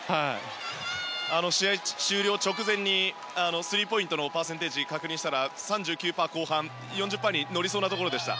試合終了直前スリーポイントのパーセンテージ確認したら３９％後半４０％に乗りそうなところでした。